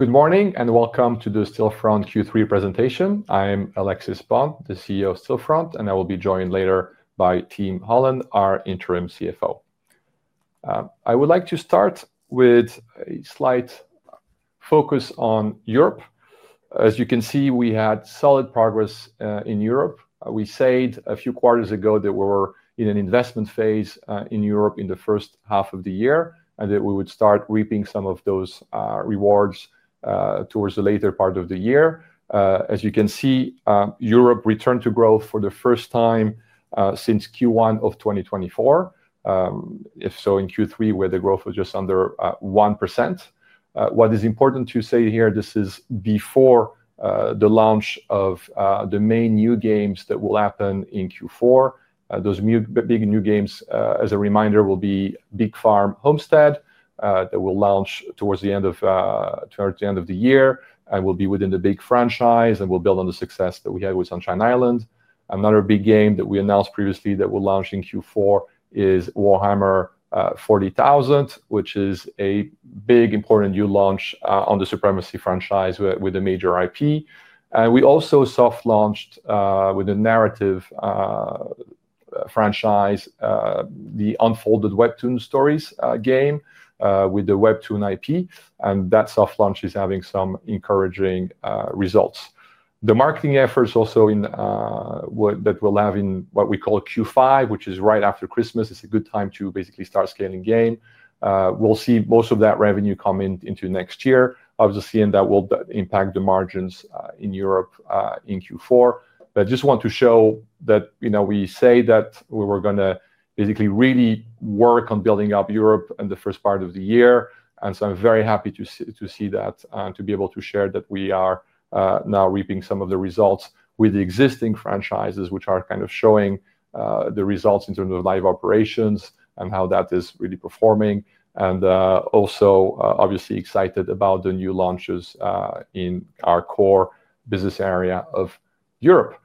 Good morning and welcome to the Stillfront Q3 presentation. I'm Alexis Bonte, the CEO of Stillfront, and I will be joined later by Tim Holland, our Interim CFO. I would like to start with a slight focus on Europe. As you can see, we had solid progress in Europe. We said a few quarters ago that we were in an investment phase in Europe in the first half of the year and that we would start reaping some of those rewards towards the later part of the year. As you can see, Europe returned to growth for the first time since Q1 of 2024. In Q3, the growth was just under 1%. What is important to say here is this is before the launch of the main new games that will happen in Q4. Those big new games, as a reminder, will be Big Farm: Homestead, that will launch towards the end of the year. It will be within the Big Farm franchise and will build on the success that we had with Sunshine Island. Another big game that we announced previously that will launch in Q4 is Warhammer 40,000, which is a big important new launch on the Supremacy franchise with a major IP. We also soft-launched with a narrative franchise, the Unfolded Webtoon Stories game with the Webtoon IP. That soft launch is having some encouraging results. The marketing efforts also that we'll have in what we call Q5, which is right after Christmas, is a good time to basically start scaling game. We'll see most of that revenue come into next year, obviously, and that will impact the margins in Europe in Q4. I just want to show that we say that we were going to basically really work on building up Europe in the first part of the year. I'm very happy to see that and to be able to share that we are now reaping some of the results with the existing franchises, which are kind of showing the results in terms of live operations and how that is really performing. I'm also, obviously, excited about the new launches in our core business area of Europe.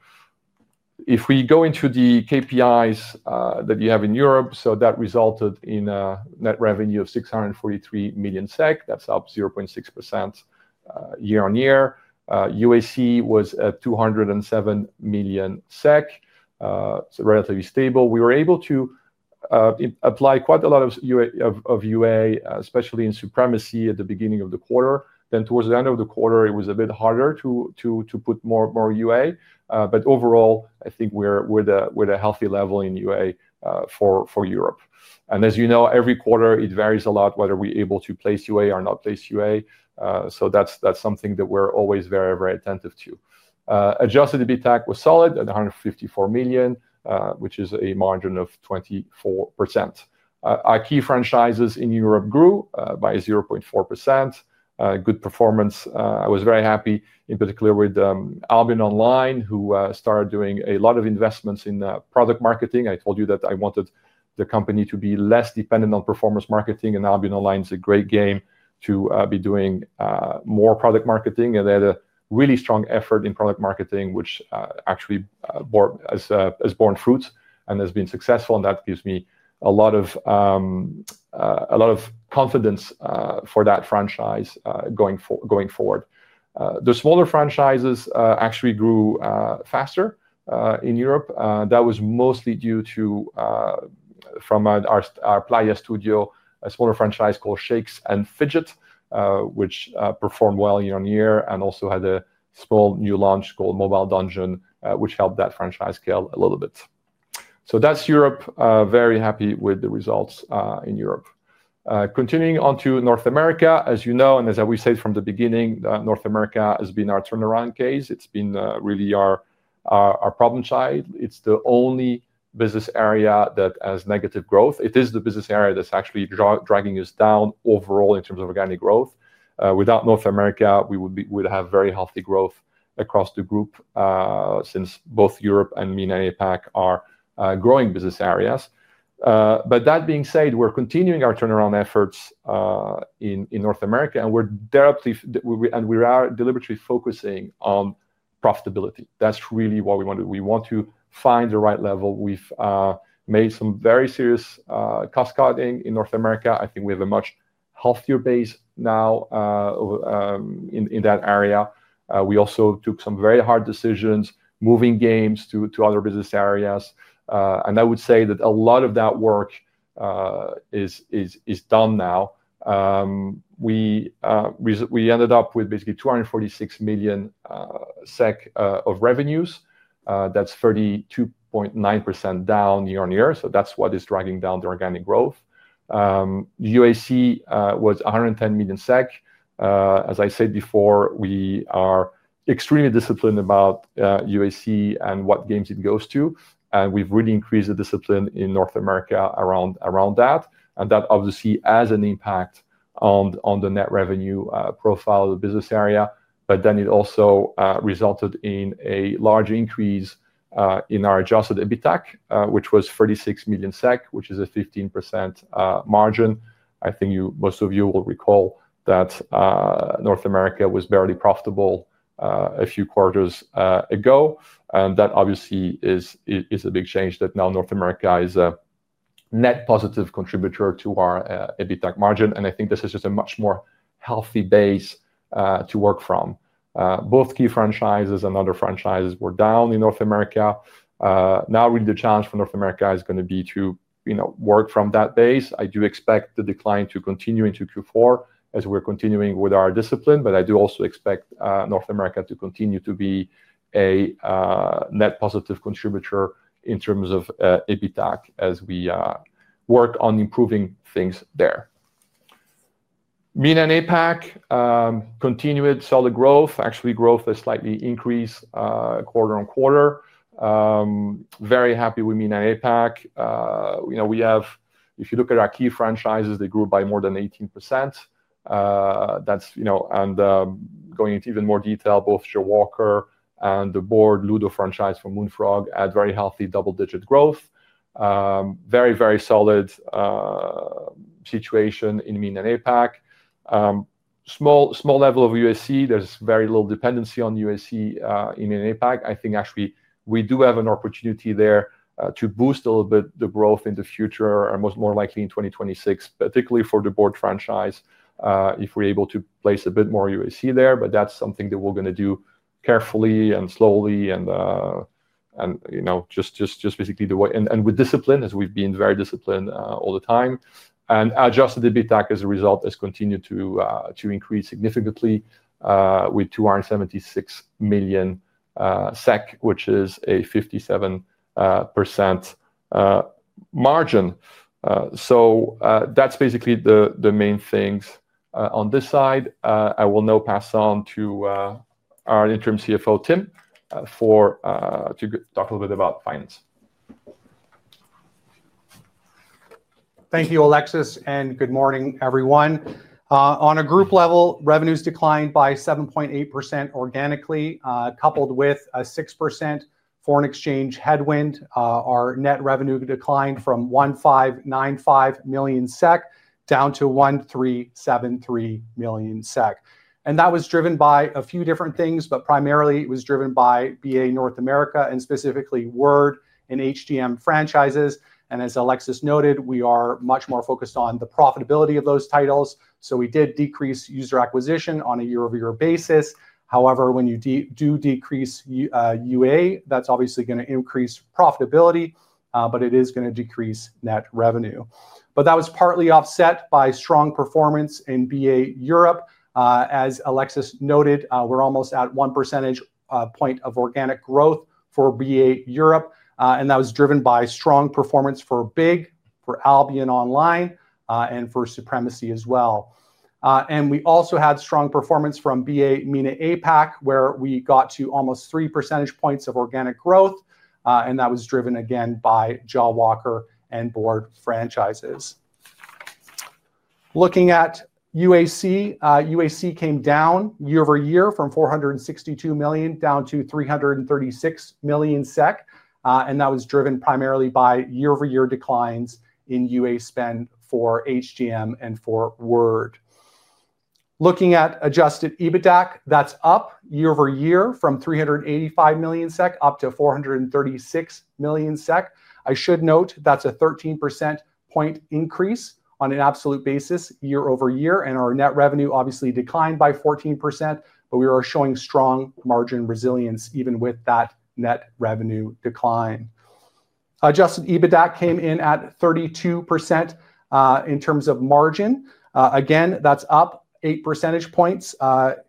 If we go into the KPIs that you have in Europe, that resulted in a net revenue of 643 million SEK. That's up 0.6% year-on-year. UAC was at 207 million SEK. It's relatively stable. We were able to apply quite a lot of UA, especially in Supremacy at the beginning of the quarter. Towards the end of the quarter, it was a bit harder to put more UA. Overall, I think we're at a healthy level in UA for Europe. As you know, every quarter it varies a lot whether we're able to place UA or not place UA. That's something that we're always very, very attentive to. Adjusted EBITDA was solid at 154 million, which is a margin of 24%. Our key franchises in Europe grew by 0.4%. Good performance. I was very happy, in particular with Albion Online, who started doing a lot of investments in product marketing. I told you that I wanted the company to be less dependent on performance marketing, and Albion Online is a great game to be doing more product marketing. They had a really strong effort in product marketing, which actually has borne fruit and has been successful. That gives me a lot of confidence for that franchise going forward. The smaller franchises actually grew faster in Europe. That was mostly due to, from our Playa Studio, a smaller franchise called Shakes & Fidget, which performed well year-on-year and also had a small new launch called Mobile Dungeon, which helped that franchise scale a little bit. That's Europe. Very happy with the results in Europe. Continuing on to North America, as you know, and as we said from the beginning, North America has been our turnaround case. It's been really our problem side. It's the only business area that has negative growth. It is the business area that's actually dragging us down overall in terms of organic growth. Without North America, we would have very healthy growth across the group since both Europe and MENA and APAC are growing business areas. That being said, we're continuing our turnaround efforts in North America, and we're deliberately focusing on profitability. That's really what we want to do. We want to find the right level. We've made some very serious cost cutting in North America. I think we have a much healthier base now in that area. We also took some very hard decisions moving games to other business areas. I would say that a lot of that work is done now. We ended up with basically 246 million SEK of revenues. That's 32.9% down year-on-year. That's what is dragging down the organic growth. UAC was 110 million SEK. As I said before, we are extremely disciplined about UAC and what games it goes to. We've really increased the discipline in North America around that. That obviously has an impact on the net revenue profile of the business area. It also resulted in a large increase in our adjusted EBITDA, which was 36 million SEK, which is a 15% margin. I think most of you will recall that North America was barely profitable a few quarters ago. That obviously is a big change that now North America is a net positive contributor to our EBITDA margin. I think this is just a much more healthy base to work from. Both key franchises and other franchises were down in North America. Now really the challenge for North America is going to be to work from that base. I do expect the decline to continue into Q4 as we're continuing with our discipline. I do also expect North America to continue to be a net positive contributor in terms of EBITDA as we work on improving things there. MENA and APAC continue with solid growth. Actually, growth has slightly increased quarter on quarter. Very happy with MENA and APAC. If you look at our key franchises, they grew by more than 18%. Going into even more detail, both Jawalker and the Board Ludo franchise from Moonfrog had very healthy double-digit growth. Very, very solid situation in MENA and APAC. Small level of UAC. There's very little dependency on UAC in APAC. I think actually we do have an opportunity there to boost a little bit the growth in the future, and more likely in 2026, particularly for the Board franchise, if we're able to place a bit more UAC there. That's something that we're going to do carefully and slowly and just basically the way and with discipline, as we've been very disciplined all the time. Adjusted EBITDA as a result has continued to increase significantly with 276 million SEK, which is a 57% margin. That's basically the main things on this side. I will now pass on to our Interim CFO, Tim, to talk a little bit about finance. Thank you, Alexis, and good morning, everyone. On a group level, revenues declined by 7.8% organically, coupled with a 6% foreign exchange headwind. Our net revenue declined from 1,595 million SEK down to 1,373 million SEK. That was driven by a few different things, but primarily it was driven by BA North America and specifically Word and HGM franchises. As Alexis noted, we are much more focused on the profitability of those titles. We did decrease user acquisition on a year-over-year basis. However, when you do decrease UA, that's obviously going to increase profitability, but it is going to decrease net revenue. That was partly offset by strong performance in BA Europe. As Alexis noted, we're almost at 1 percentage point of organic growth for BA Europe. That was driven by strong performance for Big, for Albion Online, and for Supremacy franchise as well. We also had strong performance from BA MENA, APAC, where we got to almost 3 percentage points of organic growth. That was driven again by Jawalker and Board franchises. Looking at UAC, UAC came down year-over-year from 462 million down to 336 million SEK. That was driven primarily by year-over-year declines in UA spend for HGM and for Word. Looking at adjusted EBITDA, that's up year-over-year from 385 million SEK up to 436 million SEK. I should note that's a 13% point increase on an absolute basis year-over-year. Our net revenue obviously declined by 14%, but we are showing strong margin resilience even with that net revenue decline. Adjusted EBITDA came in at 32% in terms of margin. Again, that's up 8 percentage points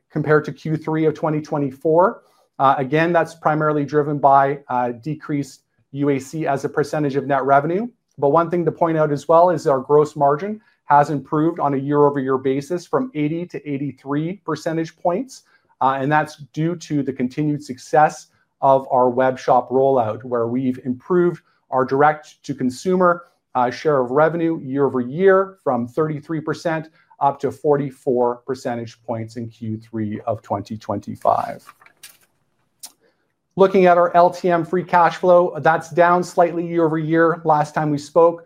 compared to Q3 2024. Again, that's primarily driven by decreased UAC as a percentage of net revenue. One thing to point out as well is our gross margin has improved on a year-over-year basis from 80% to 83%. That's due to the continued success of our web shop rollout, where we've improved our direct-to-consumer share of revenue year-over-year from 33% up to 44 percentage points in Q3 2025. Looking at our LTM free cash flow, that's down slightly year-over-year. Last time we spoke,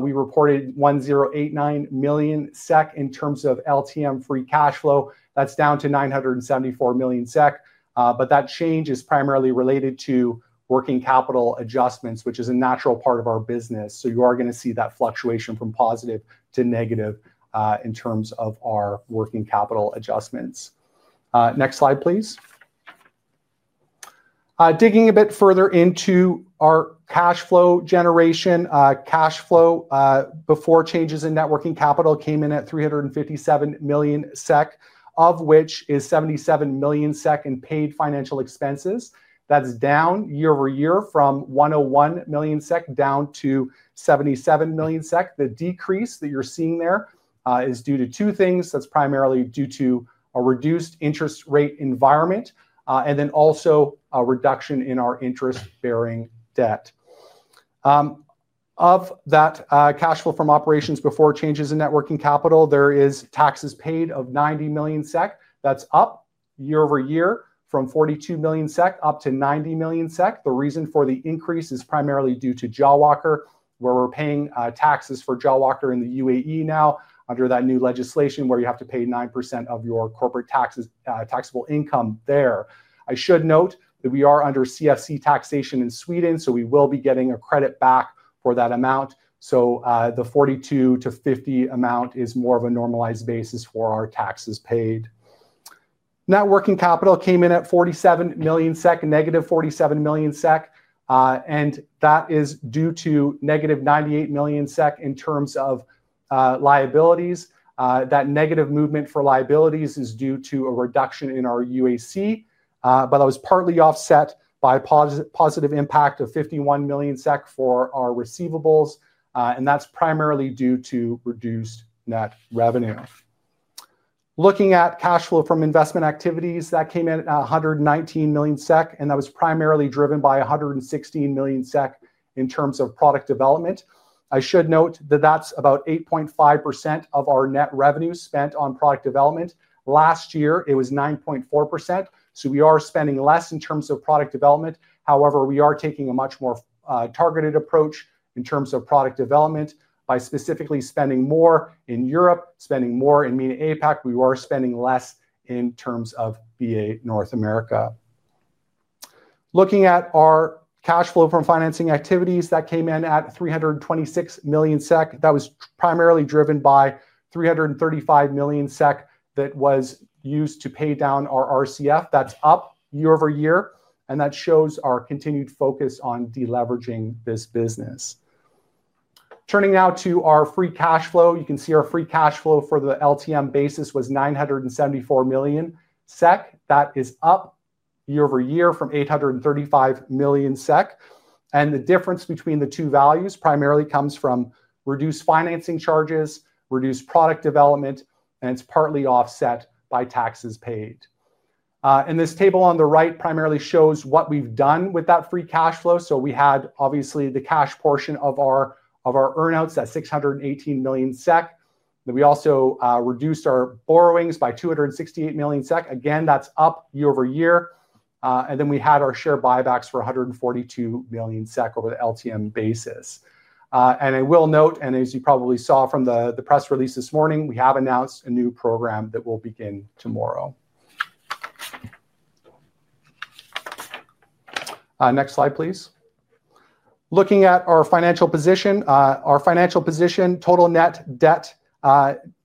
we reported 1,089 million SEK in terms of LTM free cash flow. That's down to 974 million SEK. That change is primarily related to working capital adjustments, which is a natural part of our business. You are going to see that fluctuation from positive to negative in terms of our working capital adjustments. Next slide, please. Digging a bit further into our cash flow generation. Cash flow before changes in net working capital came in at 357 million SEK, of which 77 million SEK is in paid financial expenses. That's down year-over-year from 101 million SEK down to 77 million SEK. The decrease that you're seeing there is due to two things. That's primarily due to a reduced interest rate environment and then also a reduction in our interest-bearing debt. Of that cash flow from operations before changes in net working capital, there are taxes paid of 90 million SEK. That's up year-over-year from 42 million SEK up to 90 million SEK. The reason for the increase is primarily due to Jawalker, where we're paying taxes for Jawalker in the UAE now under that new legislation where you have to pay 9% of your corporate taxable income there. I should note that we are under CFC taxation in Sweden, so we will be getting a credit back for that amount. The 42 million-50 million amount is more of a normalized basis for our taxes paid. Net working capital came in at -47 million SEK. That is due to -98 million SEK in terms of liabilities. That negative movement for liabilities is due to a reduction in our user acquisition costs, but that was partly offset by a positive impact of 51 million SEK for our receivables. That's primarily due to reduced net revenue. Looking at cash flow from investment activities, that came in at 119 million SEK, and that was primarily driven by 116 million SEK in terms of product development. I should note that that's about 8.5% of our net revenue spent on product development. Last year, it was 9.4%. We are spending less in terms of product development. However, we are taking a much more targeted approach in terms of product development by specifically spending more in Europe, spending more in MENA and APAC. We are spending less in terms of North America. Looking at our cash flow from financing activities, that came in at 326 million SEK. That was primarily driven by 335 million SEK that was used to pay down our RCF. That's up year-over-year and shows our continued focus on deleveraging this business. Turning now to our free cash flow, you can see our free cash flow for the LTM basis was 974 million SEK. That is up year-over-year from 835 million SEK. The difference between the two values primarily comes from reduced financing charges, reduced product development, and it's partly offset by taxes paid. This table on the right primarily shows what we've done with that free cash flow. We had obviously the cash portion of our earnouts, that's 618 million SEK. We also reduced our borrowings by 268 million SEK. That's up year-over-year. We had our share buybacks for 142 million SEK over the LTM basis. I will note, as you probably saw from the press release this morning, we have announced a new program that will begin tomorrow. Next slide, please. Looking at our financial position, total net debt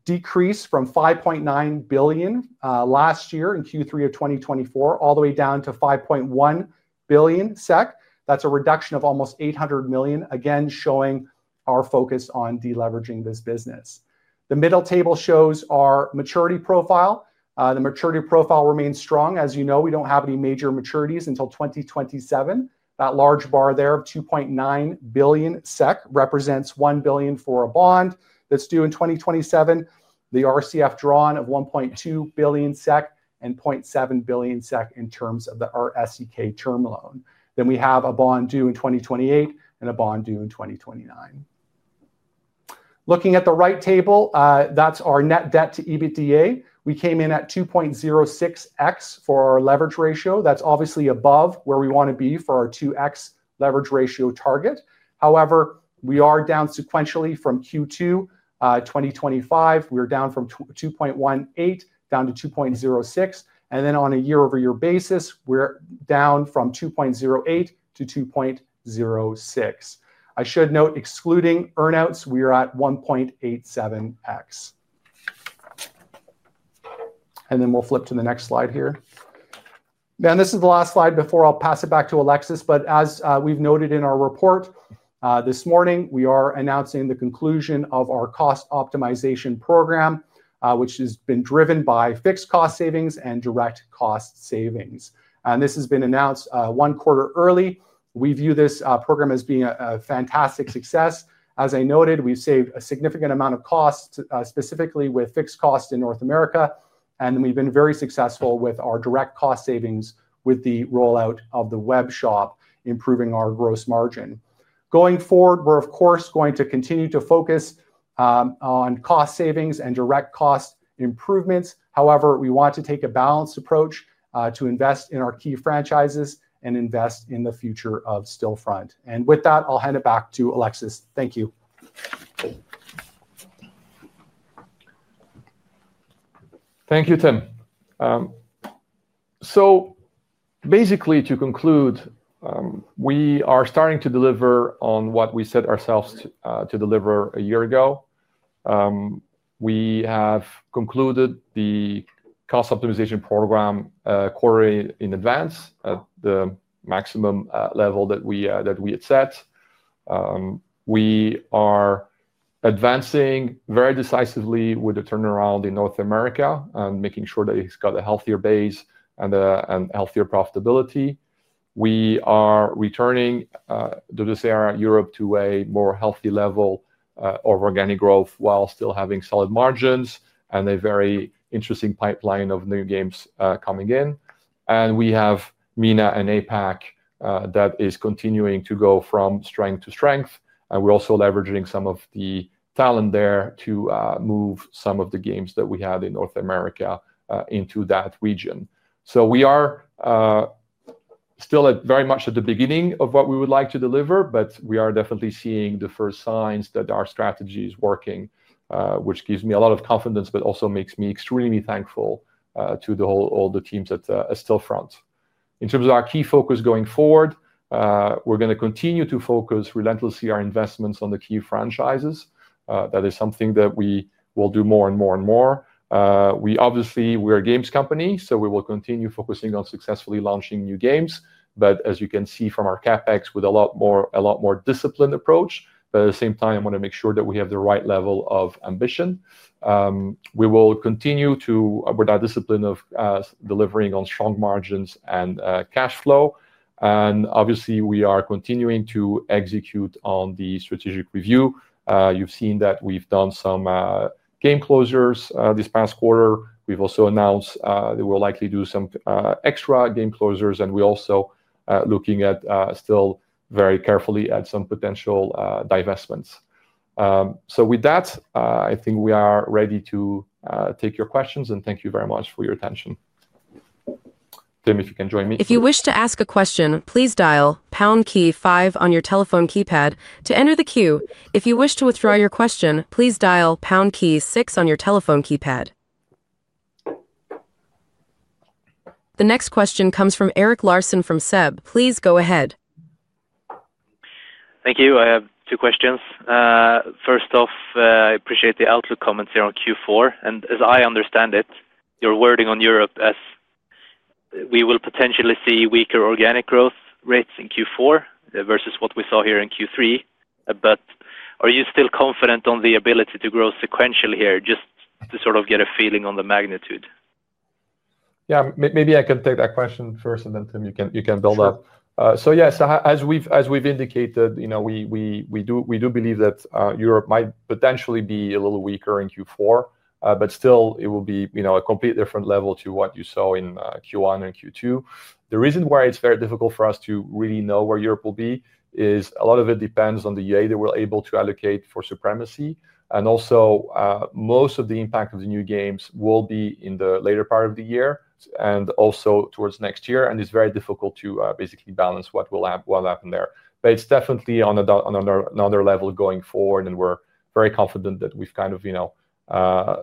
decreased from 5.9 billion last year in Q3 2024, all the way down to 5.1 billion SEK. That's a reduction of almost 800 million, again showing our focus on deleveraging this business. The middle table shows our maturity profile. The maturity profile remains strong. As you know, we don't have any major maturities until 2027. That large bar there of 2.9 billion SEK represents 1 billion for a bond that's due in 2027, the RCF drawn of 1.2 billion SEK, and 0.7 billion SEK in terms of our SEK term loan. We have a bond due in 2028 and a bond due in 2029. Looking at the right table, that's our net debt to EBITDA. We came in at 2.06x for our leverage ratio. That's obviously above where we want to be for our 2x leverage ratio target. However, we are down sequentially from Q2 2025. We're down from 2.18x to 2.06x. On a year-over-year basis, we're down from 2.08x to 2.06x. I should note, excluding earnouts, we are at 1.87x. We'll flip to the next slide here. This is the last slide before I'll pass it back to Alexis. As we've noted in our report this morning, we are announcing the conclusion of our cost optimization program, which has been driven by fixed cost savings and direct cost savings. This has been announced one quarter early. We view this program as being a fantastic success. As I noted, we've saved a significant amount of costs, specifically with fixed costs in North America. We've been very successful with our direct cost savings with the rollout of the web shop, improving our gross margin. Going forward, we're of course going to continue to focus on cost savings and direct cost improvements. However, we want to take a balanced approach to invest in our key franchises and invest in the future of Stillfront. With that, I'll hand it back to Alexis. Thank you. Thank you, Tim. To conclude, we are starting to deliver on what we set ourselves to deliver a year ago. We have concluded the cost optimization program quarterly in advance at the maximum level that we had set. We are advancing very decisively with the turnaround in North America and making sure that it's got a healthier base and healthier profitability. We are returning to this area of Europe to a more healthy level of organic growth while still having solid margins and a very interesting pipeline of new games coming in. We have MENA and APAC that are continuing to go from strength to strength. We're also leveraging some of the talent there to move some of the games that we had in North America into that region. We are still very much at the beginning of what we would like to deliver, but we are definitely seeing the first signs that our strategy is working, which gives me a lot of confidence, but also makes me extremely thankful to all the teams at Stillfront. In terms of our key focus going forward, we're going to continue to focus relentlessly on our investments on the key franchises. That is something that we will do more and more and more. We obviously are a games company, so we will continue focusing on successfully launching new games. As you can see from our CapEx, with a lot more disciplined approach, at the same time, I want to make sure that we have the right level of ambition. We will continue with our discipline of delivering on strong margins and cash flow. Obviously, we are continuing to execute on the strategic review. You've seen that we've done some game closures this past quarter. We've also announced that we'll likely do some extra game closures. We're also looking still very carefully at some potential divestments. With that, I think we are ready to take your questions. Thank you very much for your attention. Tim, if you can join me. If you wish to ask a question, please dial pound key five on your telephone keypad to enter the queue. If you wish to withdraw your question, please dial pound key six on your telephone keypad. The next question comes from Erik Larsson from SEB. Please go ahead. Thank you. I have two questions. First off, I appreciate the outlook comments here on Q4. As I understand it, your wording on Europe is we will potentially see weaker organic growth rates in Q4 versus what we saw here in Q3. Are you still confident on the ability to grow sequentially here? Just to sort of get a feeling on the magnitude. Yeah, maybe I can take that question first and then Tim, you can build up. Yes, as we've indicated, we do believe that Europe might potentially be a little weaker in Q4. Still, it will be a completely different level to what you saw in Q1 and Q2. The reason why it's very difficult for us to really know where Europe will be is a lot of it depends on the UA that we're able to allocate for Supremacy. Also, most of the impact of the new games will be in the later part of the year and towards next year. It's very difficult to basically balance what will happen there. It's definitely on another level going forward. We're very confident that we've kind of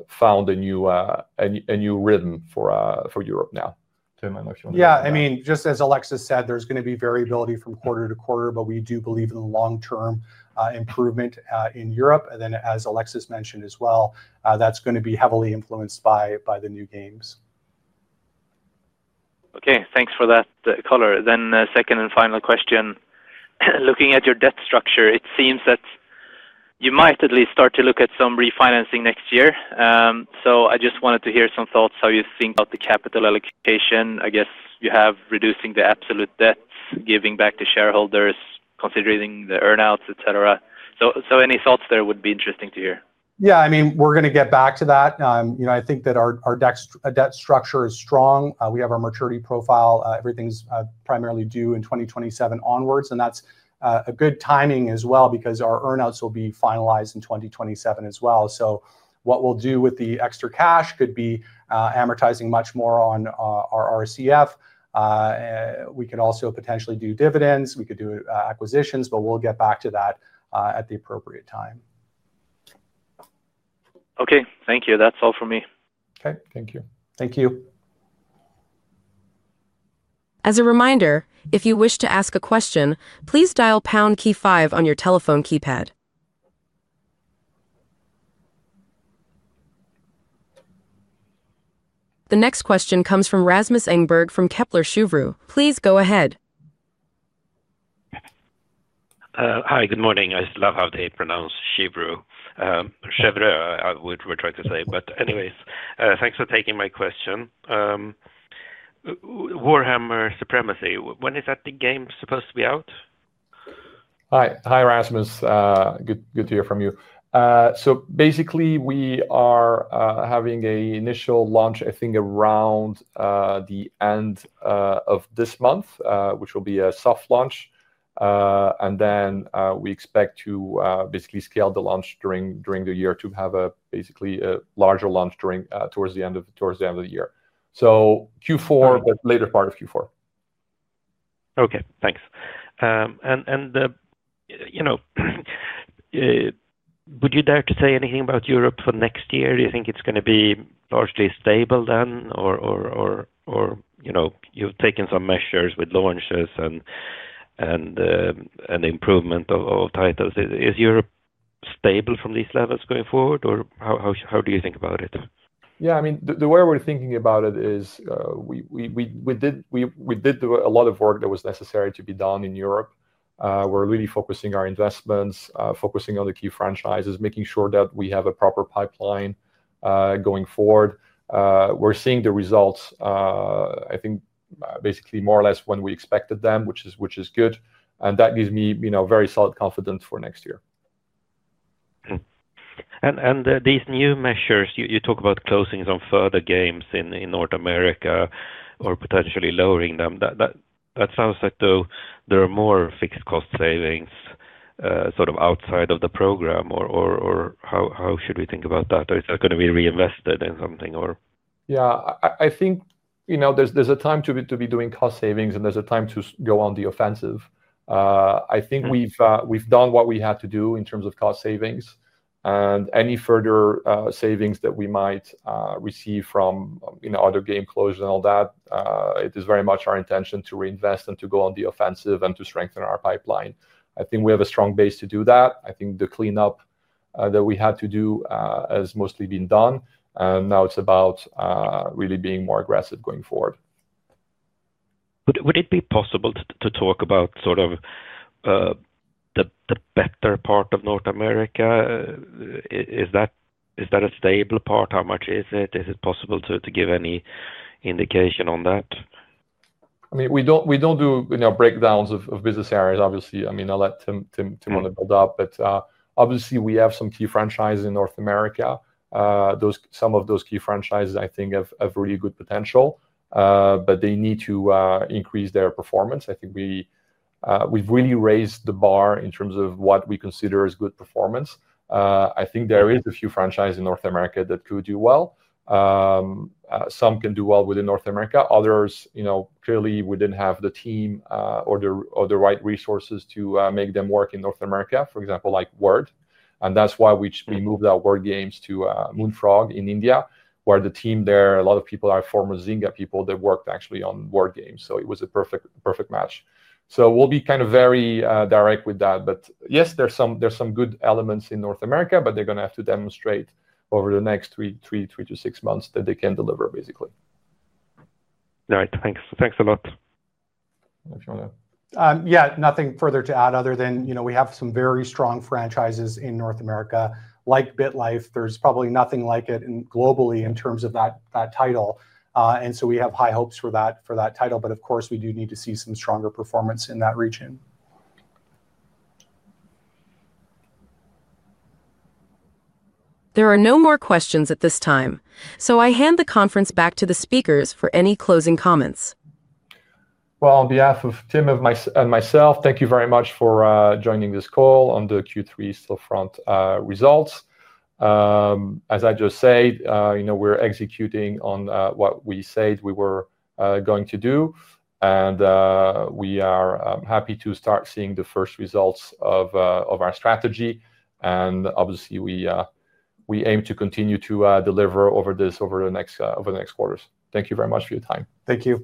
found a new rhythm for Europe now. Tim, I don't know if you want to. Yeah, I mean, just as Alexis Bonte said, there's going to be variability from quarter to quarter. We do believe in long-term improvement in Europe, and then, as Alexis mentioned as well, that's going to be heavily influenced by the new games. OK, thanks for that color. Second and final question. Looking at your debt structure, it seems that you might at least start to look at some refinancing next year. I just wanted to hear some thoughts how you think about the capital allocation. I guess you have reducing the absolute debts, giving back to shareholders, considering the earnouts, et cetera. Any thoughts there would be interesting to hear. Yeah, I mean, we're going to get back to that. I think that our debt structure is strong. We have our maturity profile. Everything's primarily due in 2027 onwards. That's a good timing as well because our earnouts will be finalized in 2027 as well. What we'll do with the extra cash could be amortizing much more on our RCF. We could also potentially do dividends. We could do acquisitions. We'll get back to that at the appropriate time. OK, thank you. That's all for me. OK, thank you. Thank you. As a reminder, if you wish to ask a question, please dial the pound key five on your telephone keypad. The next question comes from Rasmus Engberg from Kepler Cheuvreux. Please go ahead. Hi, good morning. I love how they pronounce Kepler Cheuvreux. Cheuvreux, I would try to say. Anyways, thanks for taking my question. Warhammer 40,000 Supremacy, when is that game supposed to be out? Hi, Rasmus. Good to hear from you. We are having an initial launch, I think, around the end of this month, which will be a soft launch. We expect to scale the launch during the year to have a larger launch towards the end of the year, Q4, but later part of Q4. OK, thanks. Would you dare to say anything about Europe for next year? Do you think it's going to be largely stable then? You've taken some measures with launches and improvement of titles. Is Europe stable from these levels going forward? How do you think about it? Yeah, I mean, the way we're thinking about it is we did a lot of work that was necessary to be done in Europe. We're really focusing our investments, focusing on the key franchises, making sure that we have a proper pipeline going forward. We're seeing the results, I think, basically more or less when we expected them, which is good. That gives me very solid confidence for next year. These new measures, you talk about closing some further games in North America or potentially lowering them. That sounds like there are more fixed cost savings sort of outside of the program. How should we think about that? Is that going to be reinvested in something? I think there's a time to be doing cost savings, and there's a time to go on the offensive. I think we've done what we had to do in terms of cost savings. Any further savings that we might receive from other game closures and all that, it is very much our intention to reinvest and to go on the offensive and to strengthen our pipeline. I think we have a strong base to do that. I think the cleanup that we had to do has mostly been done. Now it's about really being more aggressive going forward. Would it be possible to talk about the better part of North America? Is that a stable part? How much is it? Is it possible to give any indication on that? We don't do breakdowns of business areas, obviously. I'll let Tim want to build up. Obviously, we have some key franchises in North America. Some of those key franchises, I think, have really good potential, but they need to increase their performance. I think we've really raised the bar in terms of what we consider as good performance. I think there are a few franchises in North America that could do well. Some can do well within North America. Others, clearly, we didn't have the team or the right resources to make them work in North America, for example, like Word. That's why we moved our Word games to Moonfrog in India, where the team there, a lot of people are former Zynga people that worked actually on Word games. It was a perfect match. We'll be kind of very direct with that. Yes, there's some good elements in North America, but they're going to have to demonstrate over the next three to six months that they can deliver, basically. All right, thanks. Thanks a lot. Yeah, nothing further to add other than we have some very strong franchises in North America. Like BitLife, there's probably nothing like it globally in terms of that title. We have high hopes for that title. Of course, we do need to see some stronger performance in that region. There are no more questions at this time. I hand the conference back to the speakers for any closing comments. On behalf of Tim and myself, thank you very much for joining this call on the Q3 Stillfront results. As I just said, we're executing on what we said we were going to do, and we are happy to start seeing the first results of our strategy. Obviously, we aim to continue to deliver over the next quarters. Thank you very much for your time. Thank you.